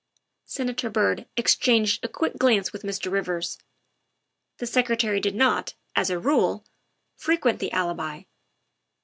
Senator Byrd exchanged a quick glance with Mr. Rivers. The Secretary did not, as a rule, frequent the Alibi.